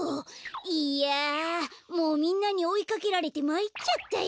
いやもうみんなにおいかけられてまいっちゃったよ。